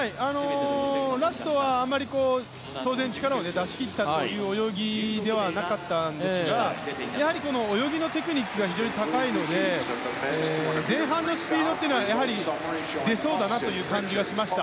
ラストは、あまり当然力を出し切ったという泳ぎではなかったですがやはり、泳ぎのテクニックが非常に高いので前半のスピードというのはやはり、出そうだなという感じがしました。